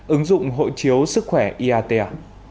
ứng dụng hộ chiếu sức khỏe iata